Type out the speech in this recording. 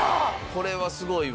これはすごいわ。